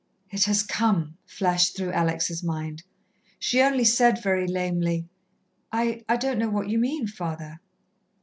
"It has come" flashed through Alex' mind. She only said very lamely: "I I don't know what you mean, father."